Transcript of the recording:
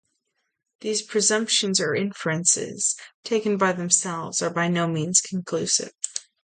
These presumptions or inferences, taken by themselves, are by no means conclusive.